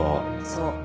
そう。